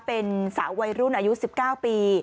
เป็นสาววัยรุ่นอายุ๑๙ปี